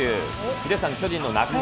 ヒデさん、巨人の中山